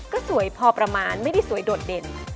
ก็สวยพอประมาณไม่ได้สวยโดดเด่น